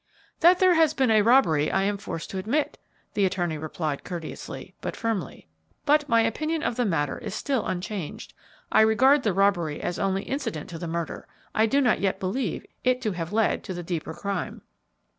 "That there has been a robbery I am forced to admit," the attorney replied, courteously but firmly; "but my opinion of the matter is still unchanged. I regard the robbery as only incident to the murder. I do not yet believe it to have led to the deeper crime."